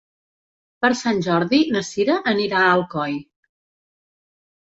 Per Sant Jordi na Sira anirà a Alcoi.